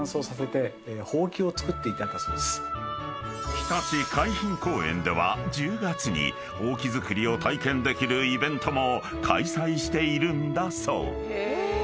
［ひたち海浜公園では１０月にほうき作りを体験できるイベントも開催しているんだそう］